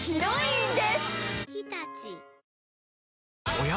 おや？